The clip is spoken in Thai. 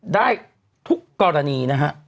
ได้ทุกกรณีนะฮะ